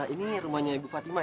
ini rumahnya bu fatima ya